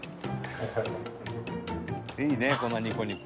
「いいねこんなニコニコ」